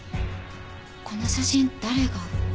この写真誰が？